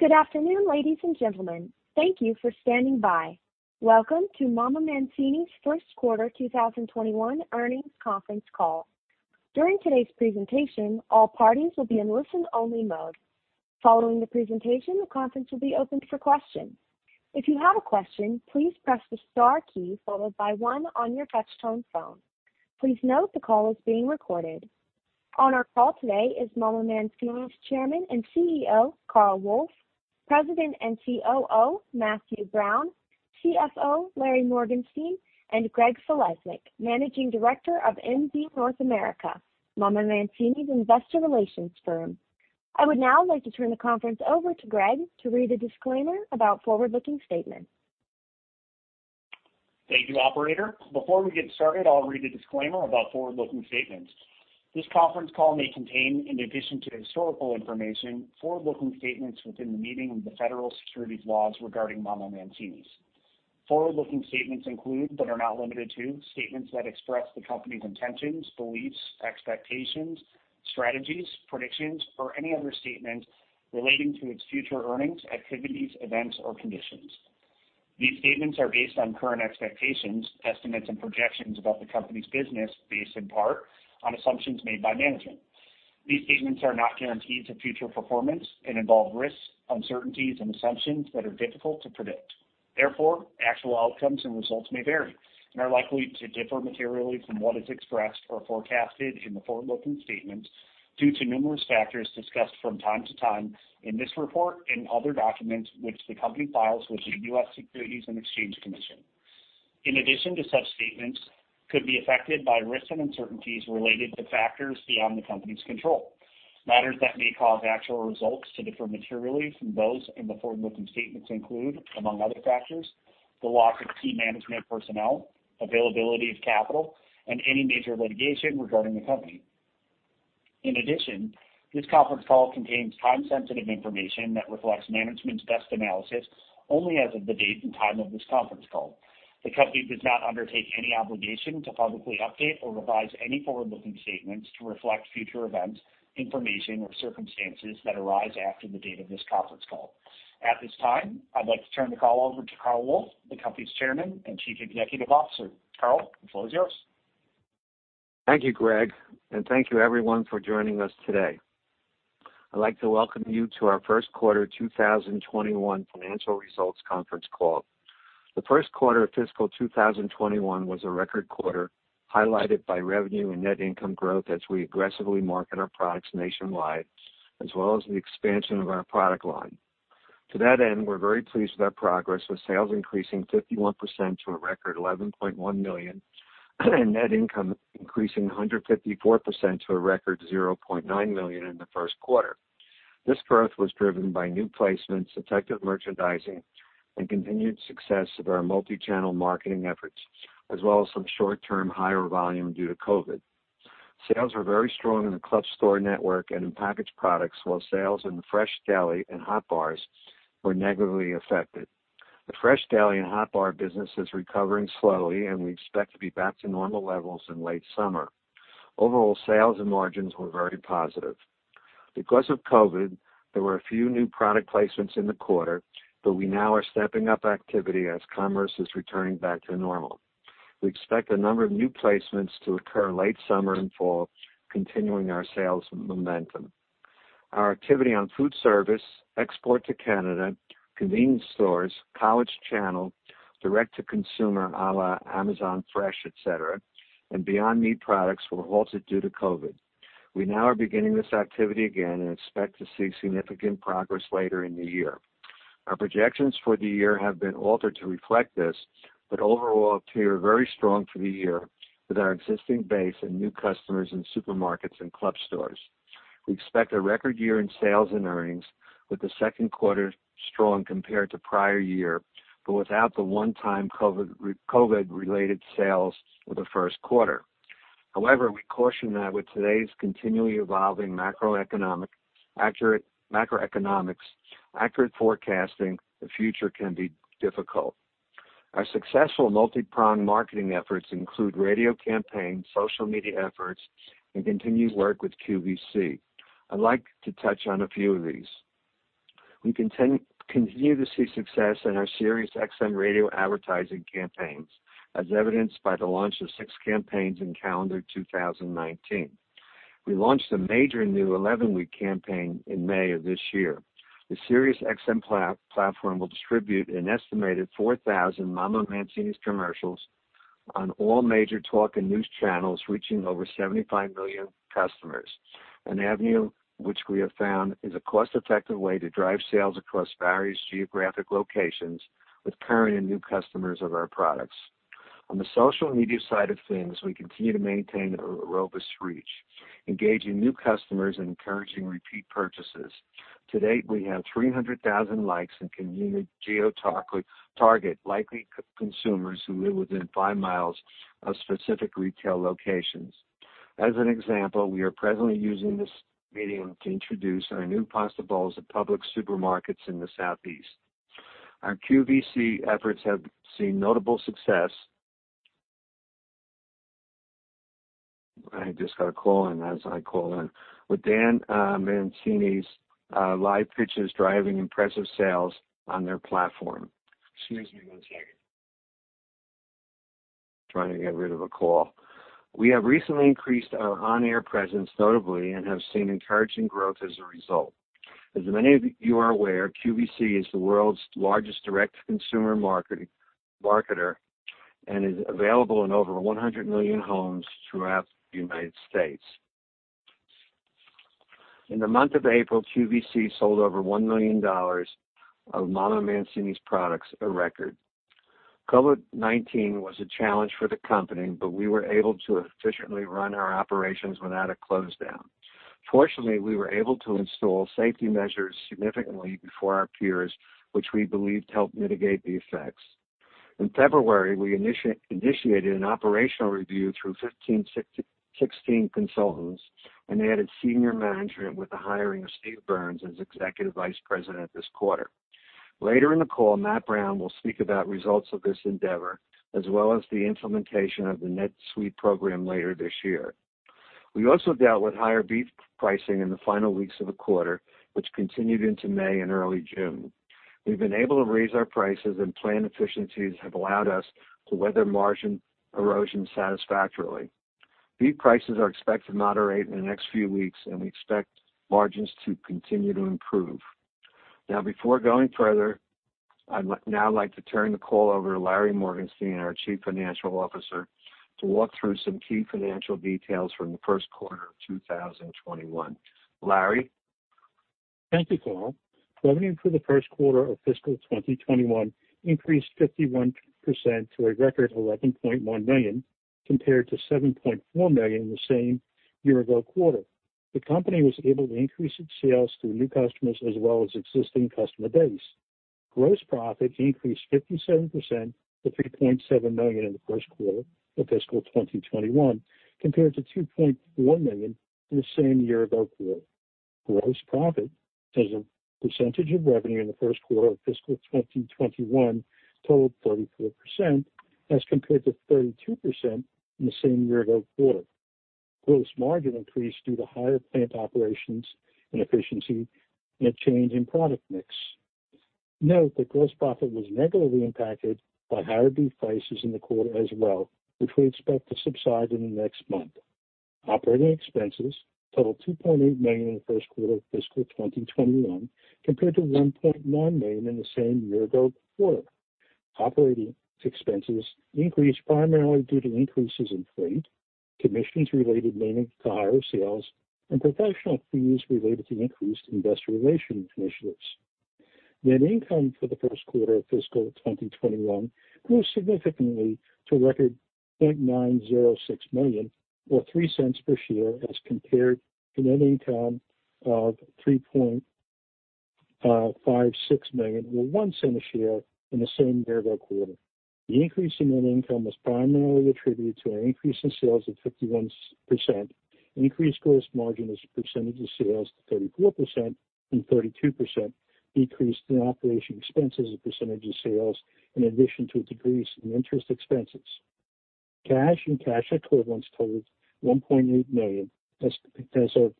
Good afternoon, ladies and gentlemen. Thank you for standing by. Welcome to Mama Mancini's First Quarter 2021 Earnings Conference Call. During today's presentation, all parties will be in listen-only mode. Following the presentation, the conference will be opened for questions. If you have a question, please press the star key followed by one on your touchscreen phone. Please note the call is being recorded. On our call today is Mama Mancini's Chairman and CEO Carl Wolf, President and COO Matthew Brown, CFO Larry Morgenstein, and Greg Falesnik, Managing Director of MZ North America, Mama Mancini's Investor Relations Firm. I would now like to turn the conference over to Greg to read a disclaimer about forward-looking statements. Thank you, Operator. Before we get started, I'll read a disclaimer about forward-looking statements. This conference call may contain, in addition to historical information, forward-looking statements within the meaning of the federal securities laws regarding Mama Mancini's. Forward-looking statements include but are not limited to statements that express the company's intentions, beliefs, expectations, strategies, predictions, or any other statements relating to its future earnings, activities, events, or conditions. These statements are based on current expectations, estimates, and projections about the company's business, based in part on assumptions made by management. These statements are not guarantees of future performance and involve risks, uncertainties, and assumptions that are difficult to predict. Therefore, actual outcomes and results may vary and are likely to differ materially from what is expressed or forecasted in the forward-looking statements due to numerous factors discussed from time to time in this report and other documents which the company files with the U.S. Securities and Exchange Commission. In addition to such statements, could be affected by risks and uncertainties related to factors beyond the company's control. Matters that may cause actual results to differ materially from those in the forward-looking statements include, among other factors, the loss of key management personnel, availability of capital, and any major litigation regarding the company. In addition, this conference call contains time-sensitive information that reflects management's best analysis only as of the date and time of this conference call. The company does not undertake any obligation to publicly update or revise any forward-looking statements to reflect future events, information, or circumstances that arise after the date of this conference call. At this time, I'd like to turn the call over to Carl Wolf, the company's Chairman and Chief Executive Officer. Carl, the floor is yours. Thank you, Greg, and thank you, everyone, for joining us today. I'd like to welcome you to our First Quarter 2021 Financial Results Conference Call. The first quarter of fiscal 2021 was a record quarter highlighted by revenue and net income growth as we aggressively market our products nationwide, as well as the expansion of our product line. To that end, we're very pleased with our progress, with sales increasing 51% to a record $11.1 million and net income increasing 154% to a record $0.9 million in the first quarter. This growth was driven by new placements, effective merchandising, and continued success of our multi-channel marketing efforts, as well as some short-term higher volume due to COVID. Sales were very strong in the Club Store network and in packaged products, while sales in the fresh deli and hot bars were negatively affected. The Fresh Deli and Hot Bar business is recovering slowly, and we expect to be back to normal levels in late summer. Overall, sales and margins were very positive. Because of COVID, there were a few new product placements in the quarter, but we now are stepping up activity as commerce is returning back to normal. We expect a number of new placements to occur late summer and fall, continuing our sales momentum. Our activity on food service, export to Canada, convenience stores, college channel, direct-to-consumer à la Amazon Fresh, etc., and Beyond Meat products were halted due to COVID. We now are beginning this activity again and expect to see significant progress later in the year. Our projections for the year have been altered to reflect this, but overall appear very strong for the year with our existing base and new customers in supermarkets and club stores. We expect a record year in sales and earnings, with the second quarter strong compared to prior year but without the one-time COVID-related sales of the first quarter. However, we caution that with today's continually evolving macroeconomics, accurate forecasting, the future can be difficult. Our successful multi-pronged marketing efforts include radio campaigns, social media efforts, and continued work with QVC. I'd like to touch on a few of these. We continue to see success in our SiriusXM radio advertising campaigns, as evidenced by the launch of six campaigns in calendar 2019. We launched a major new 11-week campaign in May of this year. The SiriusXM platform will distribute an estimated 4,000 Mama Mancini's commercials on all major talk and news channels, reaching over 75 million customers. An avenue which we have found is a cost-effective way to drive sales across various geographic locations with current and new customers of our products. On the social media side of things, we continue to maintain a robust reach, engaging new customers, and encouraging repeat purchases. To date, we have 300,000 likes and can geo-target, likely consumers who live within five miles of specific retail locations. As an example, we are presently using this medium to introduce our new pasta bowls at Publix supermarkets in the Southeast. Our QVC efforts have seen notable success. I just got a call in as I call in with Dan Mancini's live pitches driving impressive sales on their platform. Excuse me one second. Trying to get rid of a call. We have recently increased our on-air presence notably and have seen encouraging growth as a result. As many of you are aware, QVC is the world's largest direct-to-consumer marketer and is available in over 100 million homes throughout the United States. In the month of April, QVC sold over $1 million of Mama Mancini's products, a record. COVID-19 was a challenge for the company, but we were able to efficiently run our operations without a close down. Fortunately, we were able to install safety measures significantly before our peers, which we believed helped mitigate the effects. In February, we initiated an operational review through 1516 Consulting, and they added senior management with the hiring of Steve Burns as Executive Vice President this quarter. Later in the call, Matt Brown will speak about results of this endeavor, as well as the implementation of the NetSuite program later this year. We also dealt with higher beef pricing in the final weeks of the quarter, which continued into May and early June. We've been able to raise our prices, and plan efficiencies have allowed us to weather margin erosion satisfactorily. Beef prices are expected to moderate in the next few weeks, and we expect margins to continue to improve. Now, before going further, I'd now like to turn the call over to Larry Morgenstein, our Chief Financial Officer, to walk through some key financial details from the first quarter of 2021. Larry? Thank you, Carl. Revenue for the first quarter of fiscal 2021 increased 51% to a record $11.1 million compared to $7.4 million the same year-ago quarter. The company was able to increase its sales to new customers as well as existing customer base. Gross profit increased 57% to $3.7 million in the first quarter of fiscal 2021 compared to $2.4 million in the same year-ago quarter. Gross profit, as a percentage of revenue in the first quarter of fiscal 2021, totaled 34% as compared to 32% in the same year-ago quarter. Gross margin increased due to higher plant operations and efficiency and a change in product mix. Note that gross profit was negatively impacted by higher beef prices in the quarter as well, which we expect to subside in the next month. Operating expenses totaled $2.8 million in the first quarter of fiscal 2021 compared to $1.9 million in the same year-ago quarter. Operating expenses increased primarily due to increases in freight, commissions related mainly to higher sales, and professional fees related to increased investor relations initiatives. Net income for the first quarter of fiscal 2021 grew significantly to a record $0.906 million or $0.03 per share as compared to net income of $3.56 million or $0.01 a share in the same year-ago quarter. The increase in net income was primarily attributed to an increase in sales of 51%, increased gross margin as a percentage of sales to 34% and 32%, decreased in operating expenses as a percentage of sales, in addition to a decrease in interest expenses. Cash and cash equivalents totaled $1.8 million as of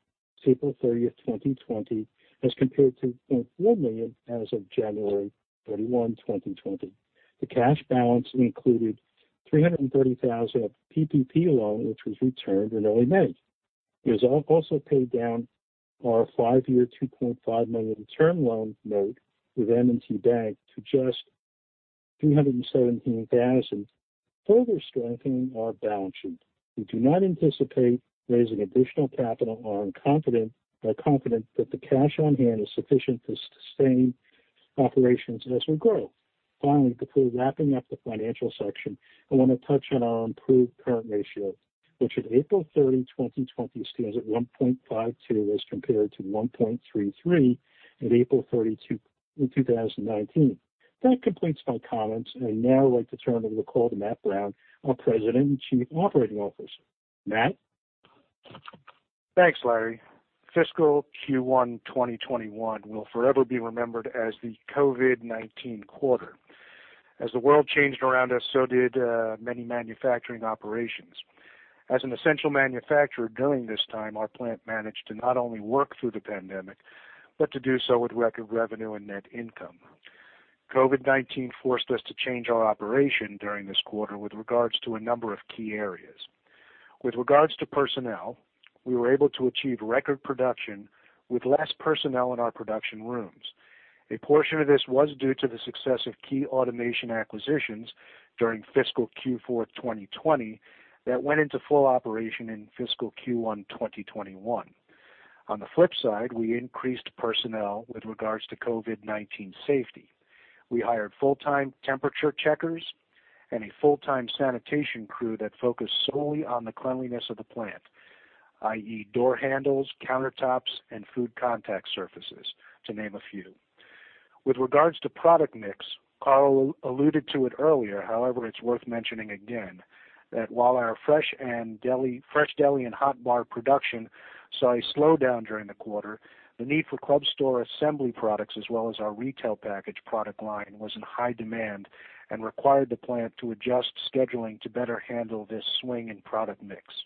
April 30th, 2020, as compared to $0.4 million as of January 21, 2020. The cash balance included $330,000 of PPP loan, which was returned in early May. It was also paid down our five-year $2.5 million term loan note with M&T Bank to just $317,000, further strengthening our balance sheet. We do not anticipate raising additional capital. We are confident that the cash on hand is sufficient to sustain operations as we grow. Finally, before wrapping up the financial section, I want to touch on our improved current ratio, which at April 30, 2020, stands at 1.52 as compared to 1.33 at April 30, 2019. That completes my comments, and now I'd like to turn over the call to Matt Brown, our President and Chief Operating Officer. Matt? Thanks, Larry. Fiscal Q1 2021 will forever be remembered as the COVID-19 quarter. As the world changed around us, so did many manufacturing operations. As an essential manufacturer during this time, our plant managed to not only work through the pandemic but to do so with record revenue and net income. COVID-19 forced us to change our operation during this quarter with regards to a number of key areas. With regards to personnel, we were able to achieve record production with less personnel in our production rooms. A portion of this was due to the success of key automation acquisitions during fiscal Q4 2020 that went into full operation in fiscal Q1 2021. On the flip side, we increased personnel with regards to COVID-19 safety. We hired full-time temperature checkers and a full-time sanitation crew that focused solely on the cleanliness of the plant, i.e., door handles, countertops, and food contact surfaces, to name a few. With regards to product mix, Carl alluded to it earlier. However, it's worth mentioning again that while our fresh deli and hot bar production saw a slowdown during the quarter, the need for club store assembly products as well as our retail package product line was in high demand and required the plant to adjust scheduling to better handle this swing in product mix.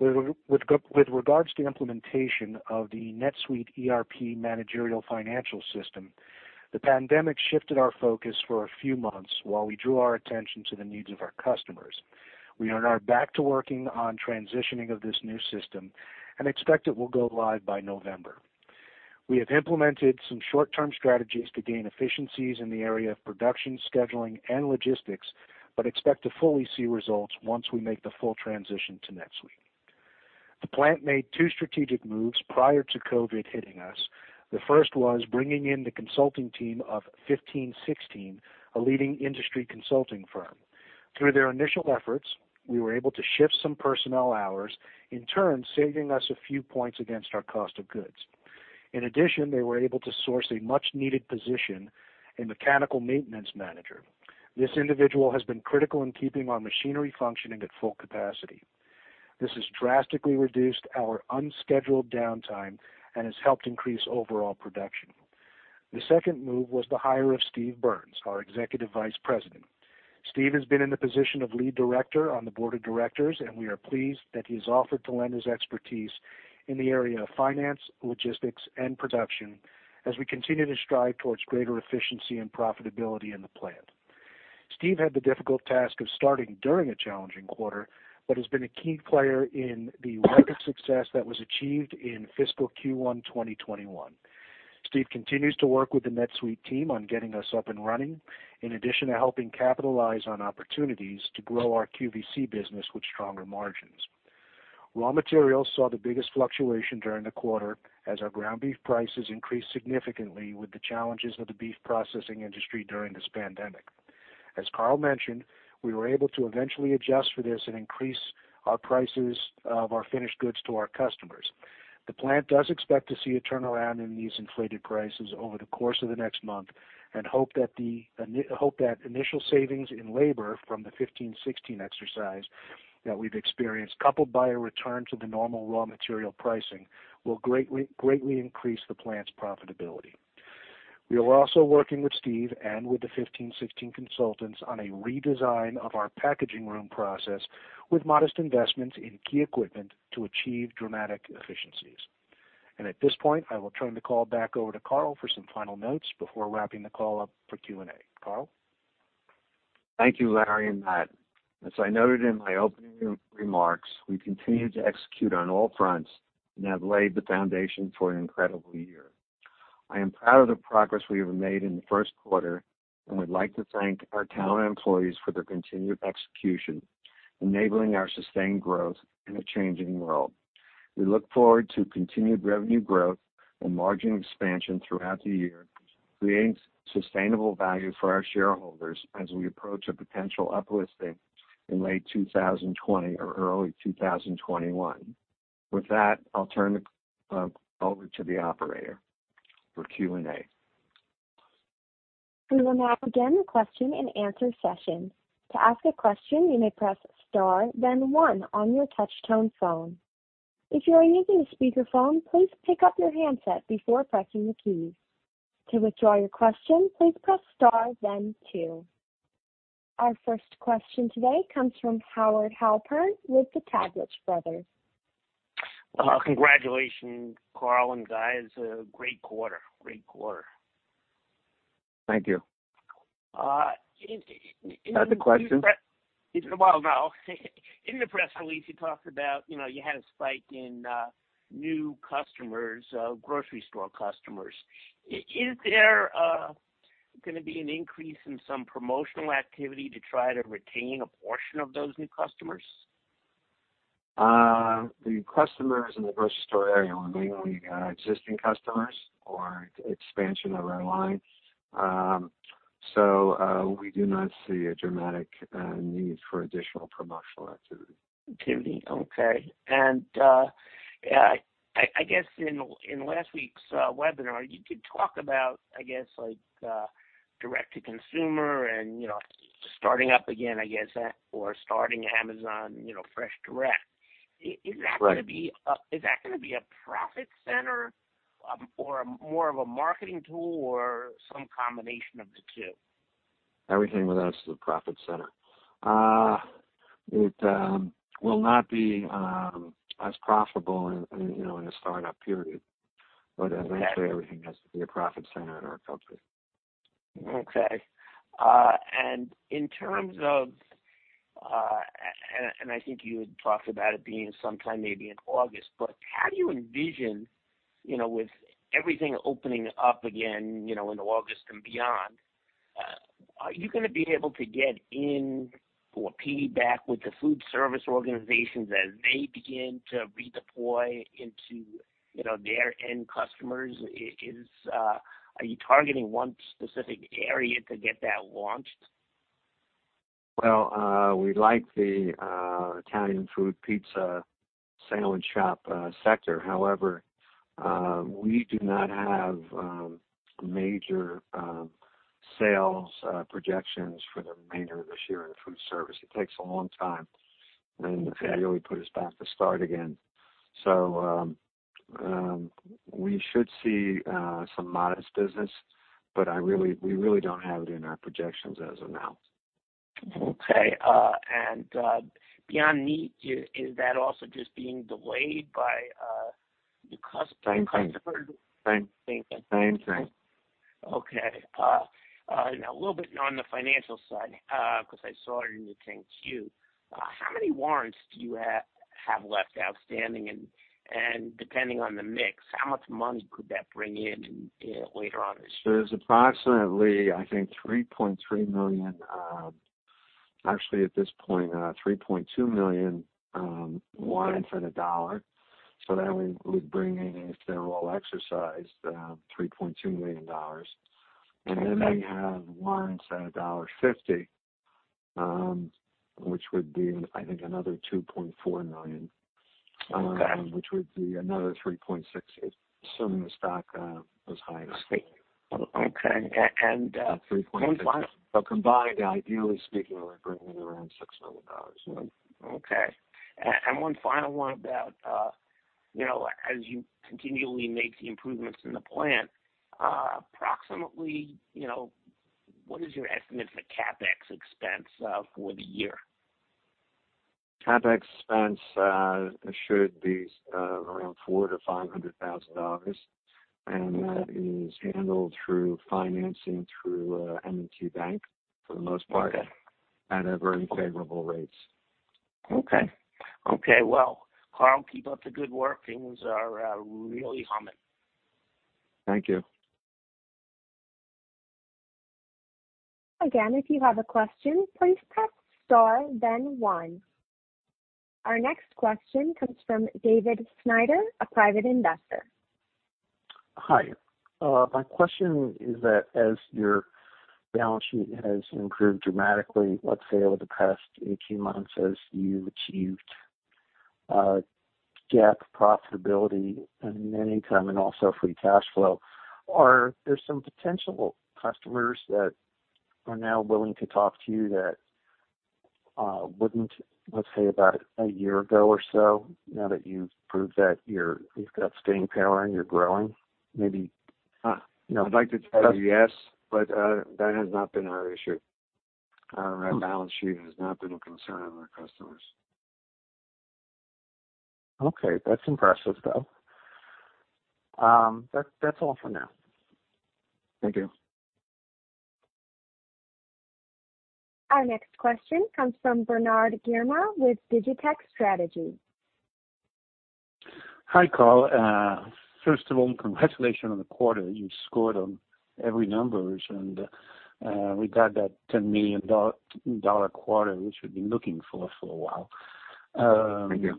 With regards to implementation of the NetSuite ERP managerial financial system, the pandemic shifted our focus for a few months while we drew our attention to the needs of our customers. We are now back to working on transitioning of this new system and expect it will go live by November. We have implemented some short-term strategies to gain efficiencies in the area of production scheduling and logistics but expect to fully see results once we make the full transition to NetSuite. The plant made two strategic moves prior to COVID hitting us. The first was bringing in the consulting team of 1516, a leading industry consulting firm. Through their initial efforts, we were able to shift some personnel hours, in turn saving us a few points against our cost of goods. In addition, they were able to source a much-needed position, a mechanical maintenance manager. This individual has been critical in keeping our machinery functioning at full capacity. This has drastically reduced our unscheduled downtime and has helped increase overall production. The second move was the hire of Steve Burns, our Executive Vice President. Steve has been in the position of lead director on the board of directors, and we are pleased that he is offered to lend his expertise in the area of finance, logistics, and production as we continue to strive towards greater efficiency and profitability in the plant. Steve had the difficult task of starting during a challenging quarter but has been a key player in the record success that was achieved in fiscal Q1 2021. Steve continues to work with the NetSuite team on getting us up and running, in addition to helping capitalize on opportunities to grow our QVC business with stronger margins. Raw materials saw the biggest fluctuation during the quarter as our ground beef prices increased significantly with the challenges of the beef processing industry during this pandemic. As Carl mentioned, we were able to eventually adjust for this and increase our prices of our finished goods to our customers. The plant does expect to see a turnaround in these inflated prices over the course of the next month and hope that initial savings in labor from the 1516 exercise that we've experienced, coupled by a return to the normal raw material pricing, will greatly increase the plant's profitability. We are also working with Steve and with the 1516 consultants on a redesign of our packaging room process with modest investments in key equipment to achieve dramatic efficiencies. At this point, I will turn the call back over to Carl for some final notes before wrapping the call up for Q&A. Carl? Thank you, Larry and Matt. As I noted in my opening remarks, we continue to execute on all fronts and have laid the foundation for an incredible year. I am proud of the progress we have made in the first quarter and would like to thank our talented employees for their continued execution, enabling our sustained growth in a changing world. We look forward to continued revenue growth and margin expansion throughout the year, creating sustainable value for our shareholders as we approach a potential uplisting in late 2020 or early 2021. With that, I'll turn over to the operator for Q&A. We will now begin the question and answer session. To ask a question, you may press star, then one on your touch-tone phone. If you are using a speakerphone, please pick up your handset before pressing the keys. To withdraw your question, please press star, then two. Our first question today comes from Howard Halpern with Taglich Brothers. Well, congratulations, Carl and guys. Great quarter. Great quarter. Thank you. Isn't the press? Got the question. Well, no. In the press release, he talked about you had a spike in new customers, grocery store customers. Is there going to be an increase in some promotional activity to try to retain a portion of those new customers? The new customers in the grocery store area were mainly existing customers. Or expansion of our line. So we do not see a dramatic need for additional promotional activity. Okay. And I guess in last week's webinar, you did talk about, I guess, direct-to-consumer and starting up again, I guess, or starting Amazon Fresh Direct. Is that going to be a profit center or more of a marketing tool or some combination of the two? Everything with us is a profit center. It will not be as profitable in a startup period, but eventually, everything has to be a profit center in our company. Okay. In terms of and I think you had talked about it being sometime maybe in August, but how do you envision, with everything opening up again in August and beyond, are you going to be able to get in or piggyback with the food service organizations as they begin to redeploy into their end customers? Are you targeting one specific area to get that launched? Well, we like the Italian food pizza sandwich shop sector. However, we do not have major sales projections for the remainder of this year in food service. It takes a long time, and it really put us back to start again. So we should see some modest business, but we really don't have it in our projections as of now. Okay. Beyond Meat, is that also just being delayed by the customer? Same. Same. Same. Same. Okay. Now, a little bit on the financial side because I saw it in your 10-Q. How many warrants do you have left outstanding? And depending on the mix, how much money could that bring in later on this year? There's approximately, I think, 3.3 million actually, at this point, 3.2 million warrants at $1. So then we'd bring in, if they're all exercised, $3.2 million. And then we have warrants at $1.50, which would be, I think, another 2.4 million, which would be another $3.6 million, assuming the stock was high enough. Okay. Okay. And. At 3.6 million. Combined. Combined, ideally speaking, we'd bring in around $6 million. Okay. And one final one about as you continually make the improvements in the plant, approximately what is your estimate for CapEx expense for the year? CapEx expense should be around $400,000-$500,000, and that is handled through financing through M&T Bank for the most part at very favorable rates. Okay. Okay. Well, Carl, keep up the good work. Things are really humming. Thank you. Again, if you have a question, please press star, then one. Our next question comes from David Snyder, a private investor. Hi. My question is that as your balance sheet has improved dramatically, let's say over the past 18 months, as you've achieved GAAP profitability and EBITDA and also free cash flow, are there some potential customers that are now willing to talk to you that wouldn't, let's say, about a year ago or so, now that you've proved that you've got staying power and you're growing? Maybe. I'd like to tell you yes, but that has not been our issue. Our balance sheet has not been a concern of our customers. Okay. That's impressive, though. That's all for now. Thank you. Our next question comes from Bernard Girma with DigiTech Strategy. Hi, Carl. First of all, congratulations on the quarter. You scored on every numbers, and we got that $10 million quarter, which we've been looking for for a while. Thank you.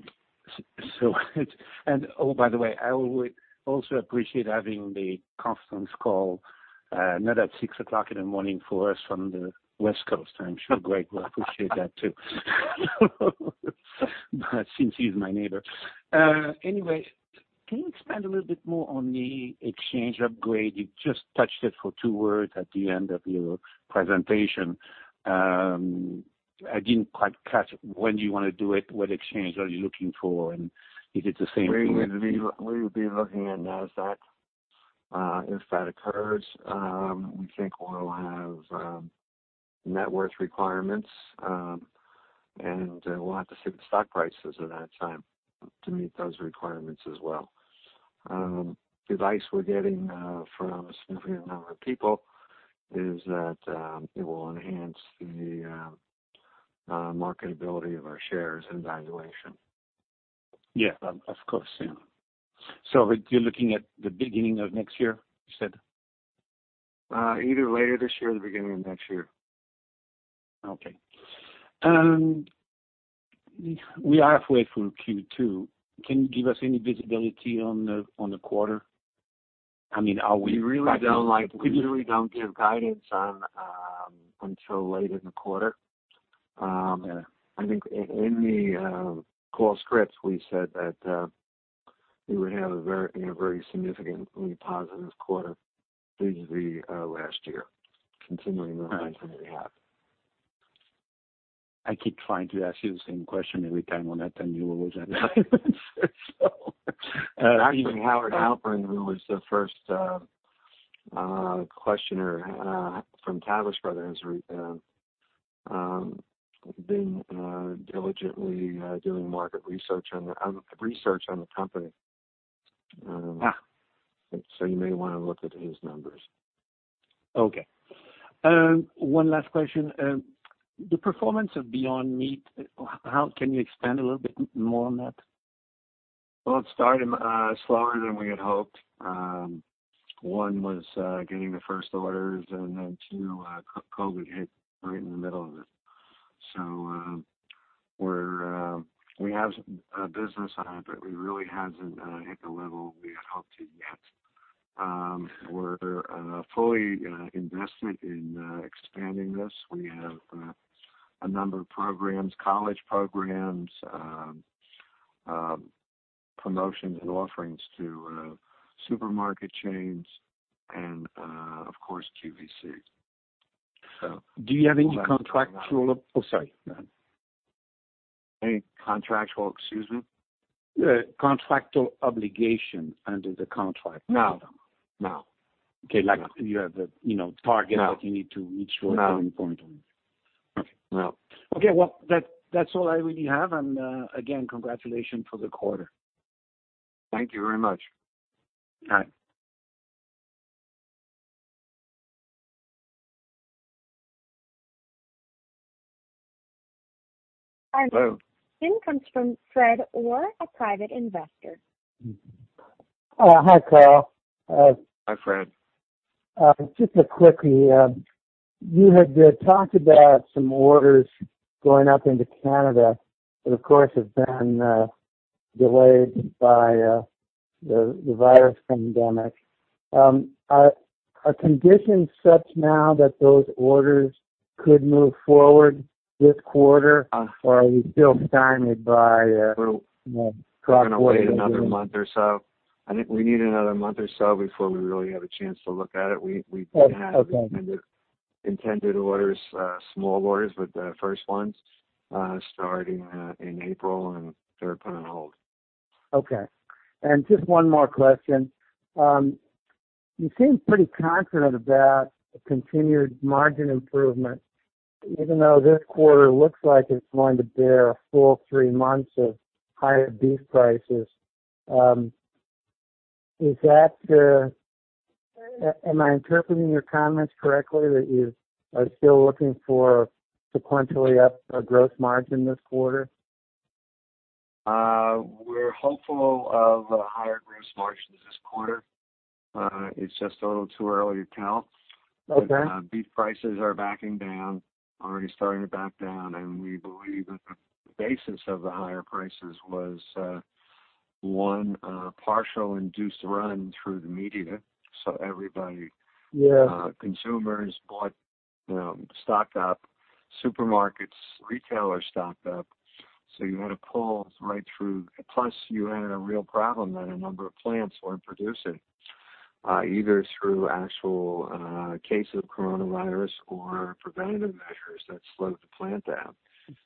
Oh, by the way, I would also appreciate having the conference call not at 6:00 A.M. for us from the West Coast. I'm sure Greg will appreciate that too, since he's my neighbor. Anyway, can you expand a little bit more on the exchange upgrade? You just touched it for two words at the end of your presentation. I didn't quite catch when you want to do it, what exchange are you looking for, and is it the same thing? We would be looking at NetSuite. If that occurs, we think we'll have net worth requirements, and we'll have to see the stock prices at that time to meet those requirements as well. The advice we're getting from a significant number of people is that it will enhance the marketability of our shares and valuation. Yeah. Of course. Yeah. So you're looking at the beginning of next year, you said? Either later this year or the beginning of next year. Okay. We are halfway through Q2. Can you give us any visibility on the quarter? I mean, are we going to? We really don't give guidance until late in the quarter. I think in the call script, we said that we would have a very significantly positive quarter due to the last year, continuing the lines that we have. I keep trying to ask you the same question every time when I tell you what was that answer, so. Actually, Howard Halpern, who was the first questioner from Taglich Brothers, has been diligently doing market research on the company. So you may want to look at his numbers. Okay. One last question. The performance of Beyond Meat, can you expand a little bit more on that? Well, it started slower than we had hoped. One was getting the first orders, and then two, COVID hit right in the middle of it. So we have business on it, but we really haven't hit the level we had hoped to yet. We're fully invested in expanding this. We have a number of programs, college programs, promotions, and offerings to supermarket chains and, of course, QVC, so. Do you have any contractual? Oh, sorry. Go ahead. Any contractual, excuse me? Contractual obligation under the contract. No. No. Okay. You have a target that you need to reach for a certain point or anything. No. No. Okay. Okay. Well, that's all I really have. And again, congratulations for the quarter. Thank you very much. All right. Hi. Hello. Income comes from Fred Orr, a private investor. Hi, Carl. Hi, Fred. Just a quickie. You had talked about some orders going up into Canada that, of course, have been delayed by the virus pandemic. Are conditions such now that those orders could move forward this quarter, or are we still stymied by cross-border? We're going to wait another month or so. We need another month or so before we really have a chance to look at it. We've been having intended orders, small orders with the first ones starting in April, and they're put on hold. Okay. Just one more question. You seem pretty confident about continued margin improvement, even though this quarter looks like it's going to bear a full three months of higher beef prices. Am I interpreting your comments correctly, that you are still looking for sequentially up a gross margin this quarter? We're hopeful of a higher gross margin this quarter. It's just a little too early to count. But beef prices are backing down, already starting to back down, and we believe that the basis of the higher prices was, one, partial induced run through the media. So consumers bought stocked up. Supermarkets, retailers stocked up. So you had a pull right through plus, you had a real problem that a number of plants weren't producing, either through actual cases of coronavirus or preventative measures that slowed the plant down.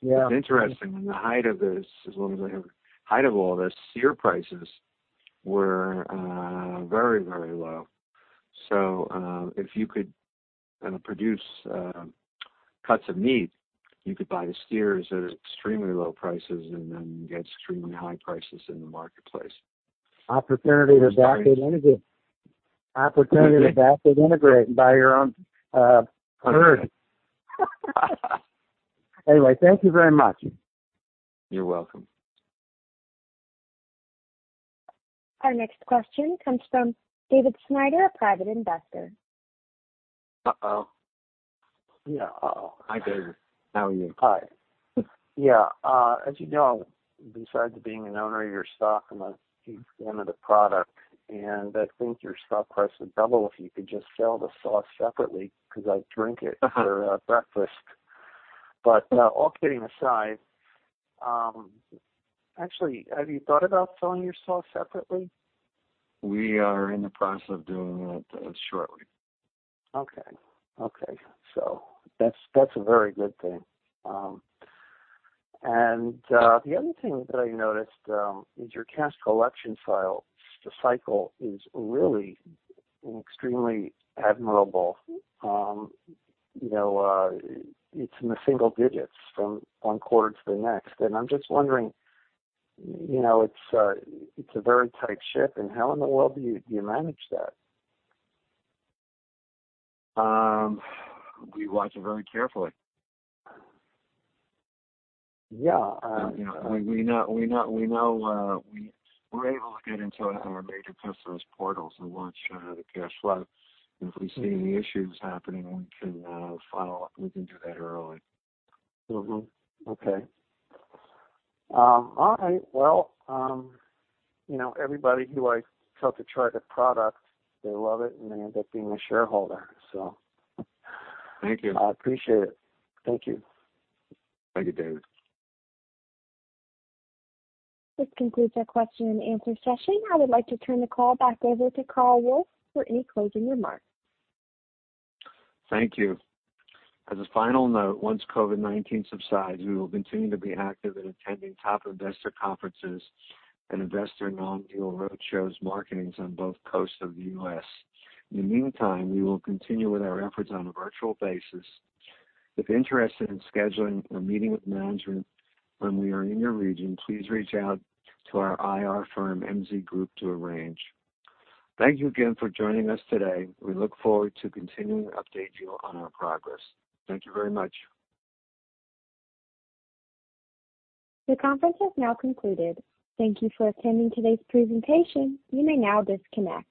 What's interesting, in the height of this as long as I have height of all this, steer prices were very, very low. So if you could produce cuts of meat, you could buy the steers at extremely low prices and then get extremely high prices in the marketplace. Opportunity to back and integrate. Opportunity to back and integrate and buy your own herd. Anyway, thank you very much. You're welcome. Our next question comes from David Snyder, a private investor. Uh-oh. Yeah. Uh-oh. Hi, David. How are you? Hi. Yeah. As you know, besides being an owner, you're stocking a huge amount of the product, and I think your stock price would double if you could just sell the sauce separately because I drink it for breakfast. But all kidding aside, actually, have you thought about selling your sauce separately? We are in the process of doing that shortly. Okay. Okay. So that's a very good thing. And the other thing that I noticed is your cash collection cycle is really extremely admirable. It's in the single digits from one quarter to the next. And I'm just wondering, it's a very tight ship, and how in the world do you manage that? We watch it very carefully. Yeah. We know we're able to get into our major customers' portals and watch the cash flow. If we see any issues happening, we can do that early. Okay. All right. Well, everybody who I took to try the product, they love it, and they end up being a shareholder, so. Thank you. I appreciate it. Thank you. Have a good, David. This concludes our question and answer session. I would like to turn the call back over to Carl Wolf for any closing remarks. Thank you. As a final note, once COVID-19 subsides, we will continue to be active in attending top investor conferences and investor non-deal roadshows marketings on both coasts of the U.S. In the meantime, we will continue with our efforts on a virtual basis. If interested in scheduling a meeting with management when we are in your region, please reach out to our IR firm, MZ Group, to arrange. Thank you again for joining us today. We look forward to continuing to update you on our progress. Thank you very much. The conference has now concluded. Thank you for attending today's presentation. You may now disconnect.